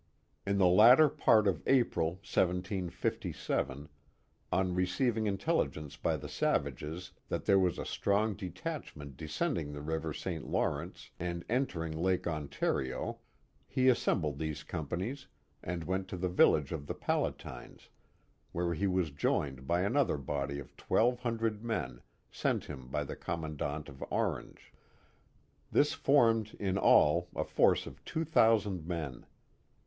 In the latter part of April, 1757, on receiving intelligence by the savages that there was a strong detachment ascending the river Si Lawrence and entering Lake Ontario, he assembled these companiei and went to the village of the Palatines where he was joined by another body of twelve hundred men sent him by the commandaol of Orange; this formed in all a force of two thousand men.